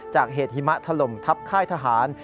จากเหตุหิมะถล่มทับค่ายทหาร